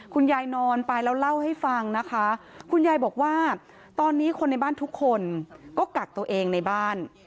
นอนไปแล้วเล่าให้ฟังนะคะคุณยายบอกว่าตอนนี้คนในบ้านทุกคนก็กักตัวเองในบ้าน